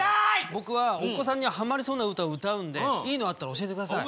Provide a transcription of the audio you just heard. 僕はお子さんにはまりそうな歌を歌うんでいいのあったら教えて下さい。